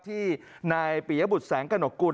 ที่นายปียบุตรแสงกระหกกุล